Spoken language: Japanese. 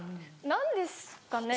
何ですかね？